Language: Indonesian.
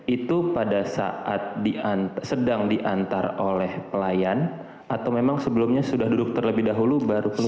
itu pada saat sedang diantar oleh pelayan atau memang sebelumnya sudah duduk terlebih dahulu baru keluar